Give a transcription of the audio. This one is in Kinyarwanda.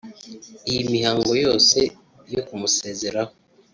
Iyi mihango yose yo kumusezeraho